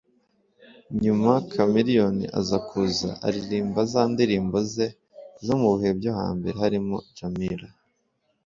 nyuma Chameleone aza kuza aririmba za ndirimbo ze zo mubihe byo hambere harimo Jamila